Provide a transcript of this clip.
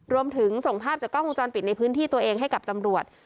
รวมถึงส่งภาพจากกล้องวงจรปิดในพื้นที่ตัวเองให้กับตำรวจ